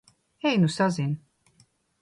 Ej nu sazin!